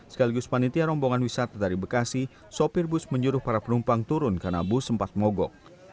sekaligus panitia rombongan wisata dari bekasi sopir bus menjuruh para penumpang turun karena bus sempat mogok